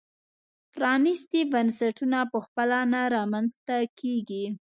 پرانیستي بنسټونه په خپله نه رامنځته کېږي.